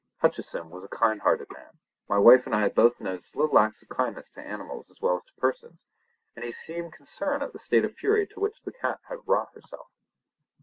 Hutcheson was a kind hearted man—my wife and I had both noticed little acts of kindness to animals as well as to persons—and he seemed concerned at the state of fury to which the cat had wrought herself.